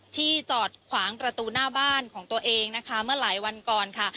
ที่จอดขวางประตูหน้าบ้านของตัวเองนะคะเมื่อหลายวันก่อนค่ะ